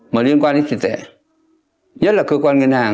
mà liên quan đến tiền tệ nhất là cơ quan ngân hàng